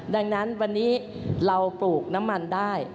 ดังนั้นวันนี้เราปลูกน้ำมันได้